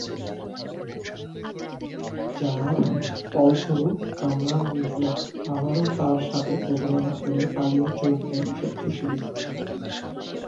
যার ফলস্বরূপ কামরান মির্জা আবারো তার সাথে প্রতারণা করে পালিয়ে যোগ দেন শত্রু শিবিরে।